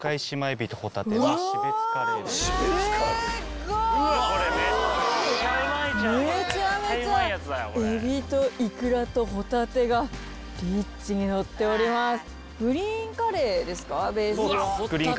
めちゃめちゃエビとイクラとホタテがリッチにのっております。